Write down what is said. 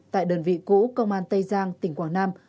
tại đơn vị cũ công an tây giang tỉnh quảng nam